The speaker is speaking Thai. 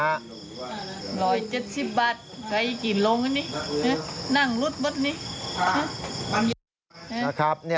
๑๗๐บาทใครกินลงอันนี้นั่งรุดบดนี้